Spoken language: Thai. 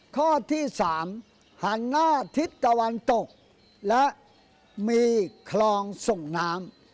ข้อที่๓หันหน้าทิศตะวันตกและมีคลองส่งน้ำ